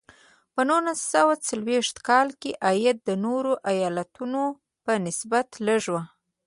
په نولس سوه څلویښت کال کې عاید د نورو ایالتونو په نسبت لږ و.